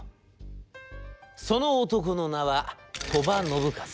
その男の名は鳥羽伸和。